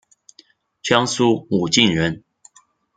江苏武进人。